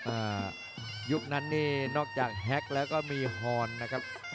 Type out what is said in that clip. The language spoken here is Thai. อ่ายุคนั้นนี่นอกจากแฮ็กแล้วก็มีฮอนนะครับ